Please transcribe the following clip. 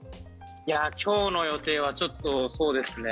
今日の予定はちょっとそうですね。